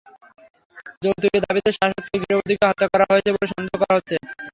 যৌতুকের দাবিতে শ্বাসরোধ করে গৃহবধূকে হত্যা করা হয়েছে বলে সন্দেহ করা হচ্ছে।